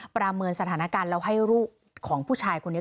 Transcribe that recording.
ประเมินสถานการณ์แล้วให้ลูกของผู้ชายคนนี้